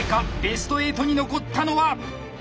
ベスト８に残ったのは。